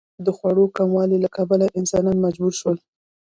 د خوړو کموالي له کبله انسانان مجبور شول.